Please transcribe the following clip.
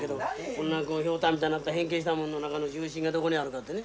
こんなひょうたんみたいになった変形したものの中の重心がどこにあるかってね。